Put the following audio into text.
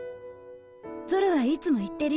ゾロはいつも言ってるよね